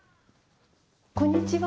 こんにちは。